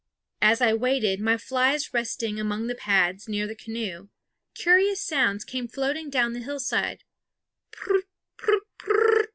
As I waited, my flies resting among the pads near the canoe, curious sounds came floating down the hillside _Prut, prut, pr r r rt!